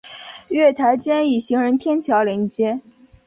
月台间以行人天桥连接。